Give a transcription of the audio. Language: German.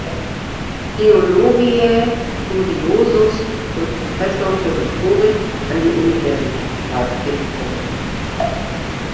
Theologiae Studiosus zum Professor für Rhetorik an die Universität Leipzig berufen.